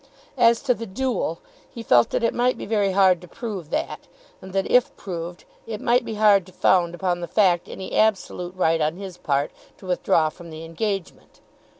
As to the duel he felt that it might be very hard to prove that, and that if proved, it might be hard to found upon the fact any absolute right on his part to withdraw from the engagement.